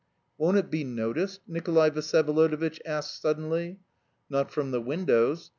"Won't it be noticed?" Nikolay Vsyevolodovitch asked suddenly. "Not from the windows.